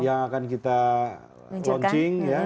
yang akan kita launching ya